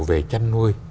về chăn nuôi